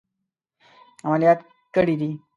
عملیات کړي دي.